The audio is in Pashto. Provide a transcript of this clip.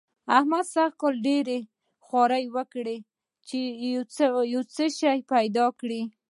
احمد سږ کال ډېرې خوې لګوي چي يو شی پيدا کړي.